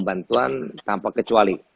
bantuan tanpa kecuali